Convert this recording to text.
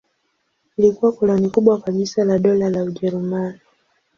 Ilikuwa koloni kubwa kabisa la Dola la Ujerumani.